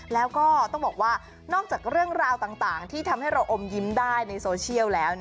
แล้วก็ต้องบอกว่านอกจากเรื่องราวต่างที่ทำให้เราอมยิ้มได้ในโซเชียลแล้ว